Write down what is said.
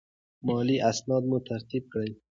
مالي اسناد مو ترتیب کړئ.